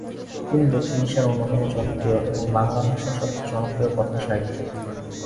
তিনি দক্ষিণ এশিয়ার অন্যতম জনপ্রিয় এবং বাংলা ভাষার সবচেয়ে জনপ্রিয় কথাসাহিত্যিক।